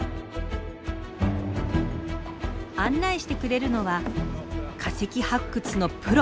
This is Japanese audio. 案内してくれるのは化石発掘のプロ